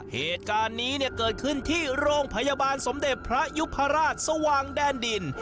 เหตุการณ์นี้เนี่ยเกิดขึ้นที่โรงพยาบาลสมเด็จพระยุพราชสว่างแดนดิน